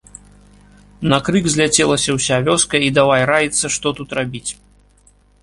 На крык зляцелася ўся вёска і давай раіцца, што тут рабіць.